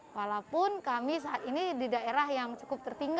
walaupun kami saat ini di daerah yang cukup tertinggi